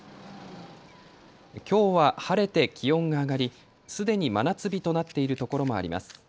きょうは晴れて気温が上がりすでに真夏日となっている所もあります。